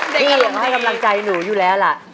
เด็กน้อยก็ให้กำลังใจหนูอยู่แล้วล่ะ